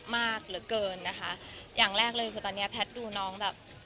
มากเหลือเกินนะคะอย่างแรกเลยคือตอนเนี้ยแพทย์ดูน้องแบบ